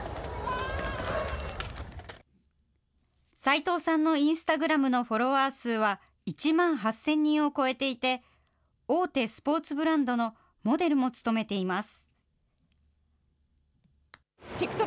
齋藤さんのインスタグラムのフォロワー数は１万８０００人を超えていて、大手スポーツブランドのモデルも務めています。